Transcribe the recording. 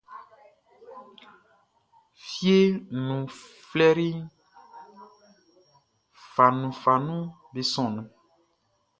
Fieʼn nunʼn, flɛri fanunfanunʼm be sɔnnin.